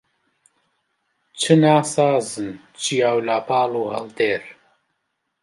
چ ناسازن چیا و لاپاڵ و هەڵدێر